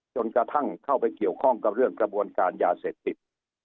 จนกระทั่งเข้าไปเกี่ยวข้องกับเรื่องกระบวนการยาเสพติด